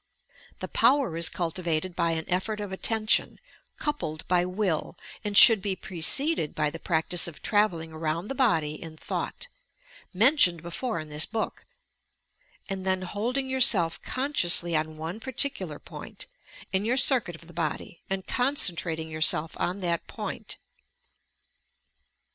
The power is cultivated by an effort of attention, coupled by will, and should be preceded by the practice of travelling around the body in thought, — mentioned before in this book, — and then holding yourself con sciously on one particular point, in your circuit of the body, and concentrating yourself on that point.